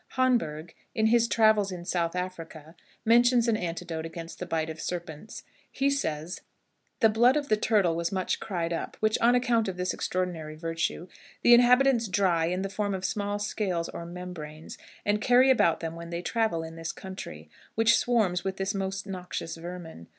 Haunberg, in his Travels in South Africa, mentions an antidote against the bite of serpents. He says: "The blood of the turtle was much cried up, which, on account of this extraordinary virtue, the inhabitants dry in the form of small scales or membranes, and carry about them when they travel in this country, which swarms with this most noxious vermin.